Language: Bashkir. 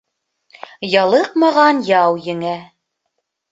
Ялыҡмаған яу еңә.